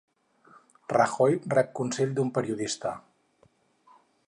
Rajoy rep consell d'un periodista